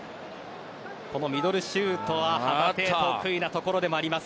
ミドルシュートは旗手得意なところでもあります。